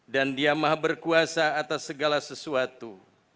dan dia maha berkuasa atas segala sesuatu